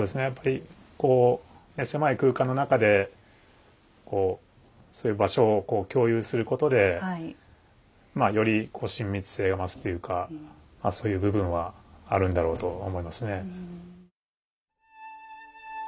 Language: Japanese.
やっぱりこう狭い空間の中でそういう場所を共有することでまあより親密性が増すというかそういう部分はあるんだろうと思いますね。